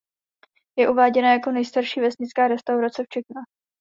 Je uváděna jako nejstarší vesnická restaurace v Čechách.